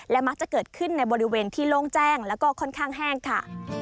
มักจะเกิดขึ้นในบริเวณที่โล่งแจ้งแล้วก็ค่อนข้างแห้งค่ะ